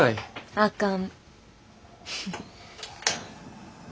あかん。